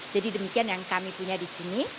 jadi demikian yang kami punya di sini